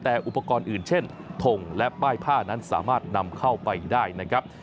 แต่อุปกรณ์อื่นเช่นทงและป้ายผ้านั้นสามารถนำเข้าไปได้นะครับ